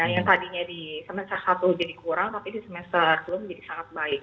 yang tadinya di semester satu jadi kurang tapi di semester sepuluh menjadi sangat baik